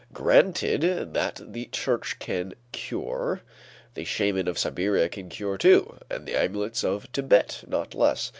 Granted that the church can cure: the shaman of Siberia can cure too, and the amulets of Thibet not less.